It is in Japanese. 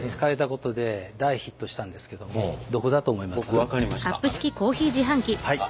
僕分かりました。